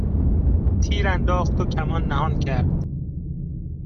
تیرانداخت و کمان نهان کرد